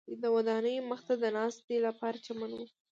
د ودانیو مخ ته د ناستې لپاره چمن و.